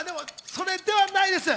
それではないです。